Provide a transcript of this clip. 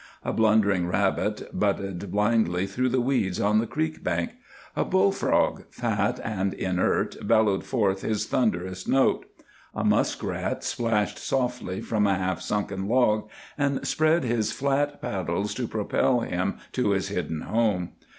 A blundering rabbit butted blindly through the weeds on the creek bank; a bullfrog, fat and inert, bellowed forth his thunderous note; a muskrat splashed softly from a half sunken log and spread his flat paddles to propel him to his hidden home.